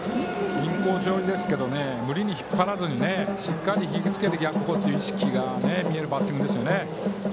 インコース寄りですけど無理に引っ張らずしっかり引きつけて逆方向という意識が見えますね。